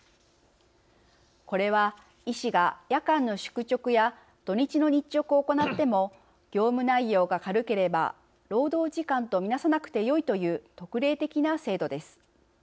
これは医師が、夜間の宿直や土日の日直を行っても業務内容が軽ければ労働時間と見なさなくてよいという特例的な制度です。